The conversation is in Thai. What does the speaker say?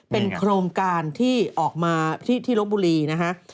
เป็นโครงการที่ออกมาที่ลบบุรีนะฮะ